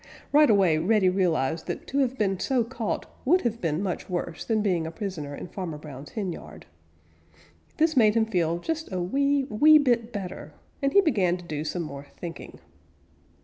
Right away Reddy realized that to have been so caught would have been much worse than being a prisoner in Farmer Brown's henyard. This made him feel just a wee, wee bit better, and he began to do some more thinking.